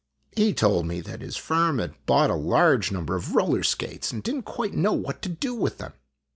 He told me that his firm had bought a large number of roller skates and did n't quite know what to do with them."